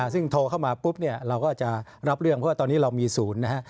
ซึ่งโทรเข้ามาปุ๊บเนี่ยเราก็จะรับเรื่องเพราะว่าตอนนี้เรามีศูนย์นะฮะ